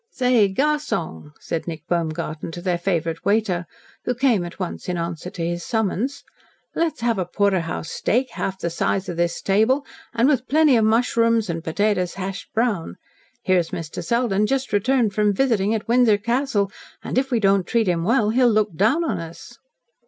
"Say, garsong," said Nick Baumgarten to their favourite waiter, who came at once in answer to his summons, "let's have a porterhouse steak, half the size of this table, and with plenty of mushrooms and potatoes hashed brown. Here's Mr. Selden just returned from visiting at Windsor Castle, and if we don't treat him well, he'll look down on us."